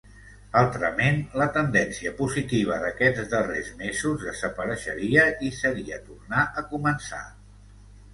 Altrament, la tendència positiva d’aquests darrers mesos desapareixeria i seria tornar a començar.